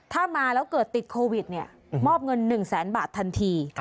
ถ้ามาแล้วเกิดติดโควิดมอบเงิน๑แสนบาททันที